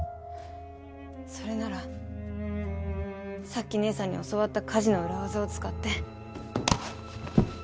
それならさっき姐さんに教わった家事の裏技を使って。